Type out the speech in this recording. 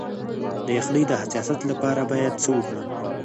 د یخنۍ د حساسیت لپاره باید څه وکړم؟